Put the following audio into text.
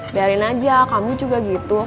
biarin aja kamu juga gitu